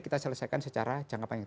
kita selesaikan secara jangka panjang